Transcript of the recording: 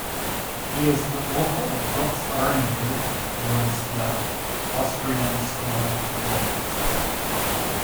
He is the author of books oriented towards the Austrian school of economics.